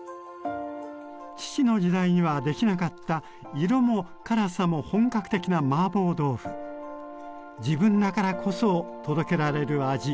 父の時代には出来なかった色も辛さも本格的な自分だからこそ届けられる味